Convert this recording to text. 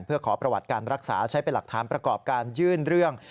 เพื่อขอประวัติการรักษาใช้เป็นหลักฐานประกอบการยื่นเรื่อง